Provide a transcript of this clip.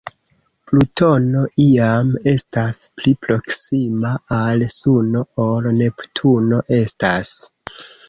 Plutono iam estas pli proksima al Suno ol Neptuno estas.